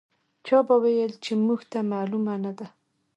چا به ویل چې موږ ته معلومه نه ده.